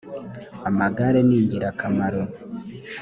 amagare ningirakamaro.